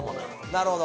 なるほど。